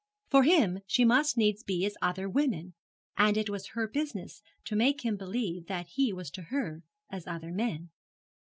For him she must needs be as other women, and it was her business to make him believe that he was to her as other men.